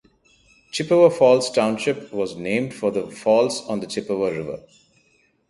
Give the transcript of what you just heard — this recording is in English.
Chippewa Falls Township was named for the falls on the Chippewa River.